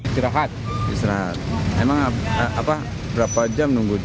memang berapa jam nunggu